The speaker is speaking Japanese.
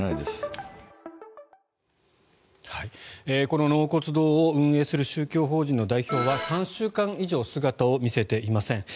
この納骨堂を運営する宗教法人の代表は３週間以上姿を見せていません。